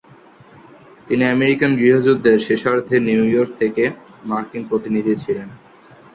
তিনি আমেরিকান গৃহযুদ্ধের শেষার্ধে নিউইয়র্ক থেকে মার্কিন প্রতিনিধি ছিলেন।